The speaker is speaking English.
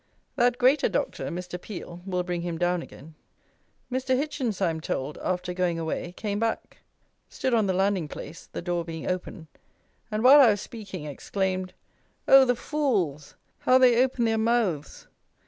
That greater Doctor, Mr. Peel, will bring him down again. Mr. Hitchins, I am told, after going away, came back, stood on the landing place (the door being open), and, while I was speaking, exclaimed, "Oh! the fools! How they open their mouths!